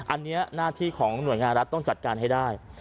อันนี้หน้าที่ของหน่วยงานรัฐต้องจัดการให้ได้